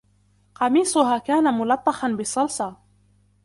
قميصها كان ملطخاً بالصلصة.